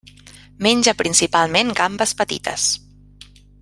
Menja principalment gambes petites.